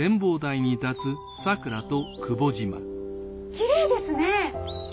きれいですね。